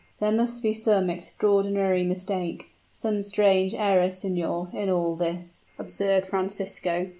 "There must be some extraordinary mistake some strange error, signor, in all this," observed Francisco.